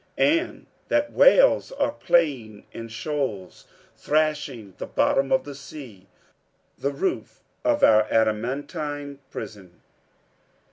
"And that whales are playing in shoals, thrashing the bottom of the sea, the roof of our adamantine prison?"